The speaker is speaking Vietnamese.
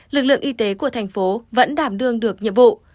lực lượng y tế của thành phố vẫn đảm đương được nhiệm vụ